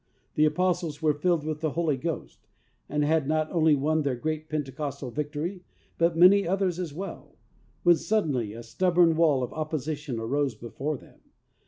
The apostles were filled with the Holy Ghost, and had not only won their great pentecostal victory, but many others as well, when suddenly a stub born wall of opposition arose before them.